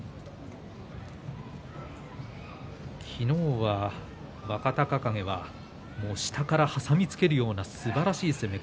昨日は若隆景は下から挟みつけるようにすばらしい攻め。